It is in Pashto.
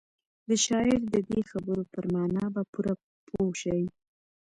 د شاعر د دې خبرو پر مانا به پوره پوه شئ.